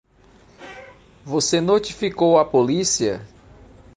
Você notificou a polícia?